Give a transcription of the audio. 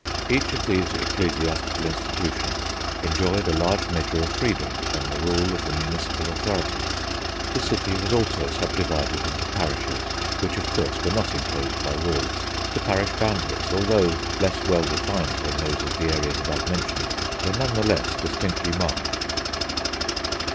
Each of these ecclesiastical institutions enjoyed a large measure of freedom from the rule of the municipal authorities. The city was also subdivided into parishes, which, of course, were not enclosed by walls. The parish boundaries, although less well defined than those of the areas above mentioned, were none the less distinctly marked.